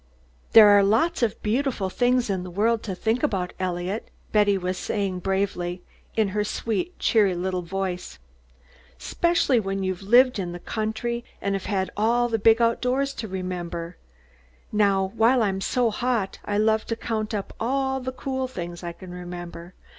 "There are lots of beautiful things in the world to think about, Eliot," Betty was saying bravely, in her sweet, cheery little voice. "'Specially when you've lived in the country and have all the big outdoors to remember. Now while I'm so hot I love to count up all the cool things I can remember.